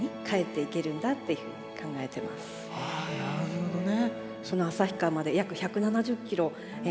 あなるほどね。